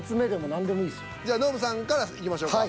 じゃノブさんからいきましょうか。